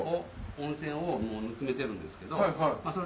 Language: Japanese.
温泉をぬくめてるんですけど。